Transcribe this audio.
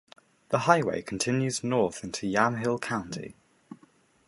The highway continues north, into Yamhill County.